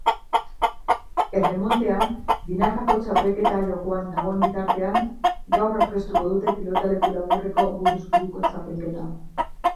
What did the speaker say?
Erremontean binakako txapelketa jokoan dagoen bitartean gaur aurkeztu dute pilotaleku laburreko buruz-buruko txapelketa.